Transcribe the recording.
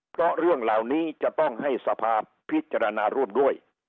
เพราะเรื่องเหล่านี้จะต้องให้สภาพิจารณาร่วมด้วย